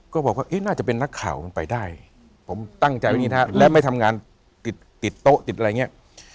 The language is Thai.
ก็บอกว่าน่าจะเป็นนักข่าวมันไปได้ผมตั้งใจไว้อย่างนี้นะและไม่ทำงานติดติดโต๊ะติดอะไรอย่างนี้